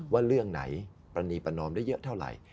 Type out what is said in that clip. ว่าเรื่องไหนปรณีประนอมได้เยอะเท่าไหร่